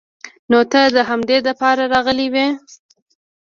نو ته د همدې د پاره راغلې وې.